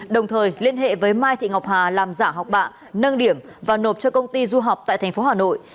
đồng thời liên hệ với mai thị ngọc hà làm giả học bạ nâng điểm và nộp cho công ty du học tại tp hà nội